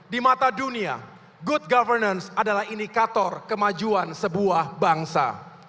di mata dunia good governance adalah indikator kemajuan sebuah bangsa